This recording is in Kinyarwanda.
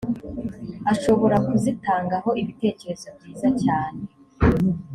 ashobora kuzitangaho ibitekerezo byiza cyane.